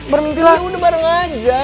bermimpi lo udah bareng aja